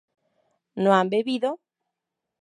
¿no han bebido?